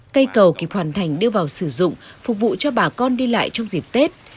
cây cầu kịp hoàn thành đưa vào sử dụng phục vụ cho bà con đi lại trong dịp tết